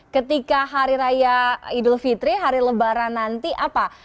ketika hari raya idul fitri hari lebaran nanti apa